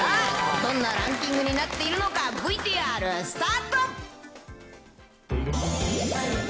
どんなランキングになっているのか、ＶＴＲスタート。